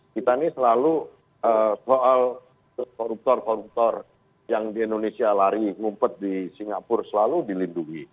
kita ini selalu soal koruptor koruptor yang di indonesia lari ngumpet di singapura selalu dilindungi